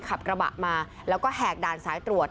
ขับกระบะมาแล้วก็แหกด่านสายตรวจ